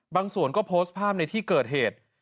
บางส่วนก็โพสต์ภาพในที่เกิดเหตุ